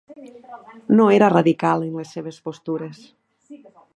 No era radical en les seves postures.